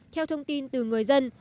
theo thông tin từ người dân